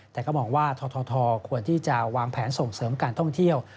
แต่ก็มองว่าททควรที่จะวางแผนส่งเสริมการท่องเที่ยว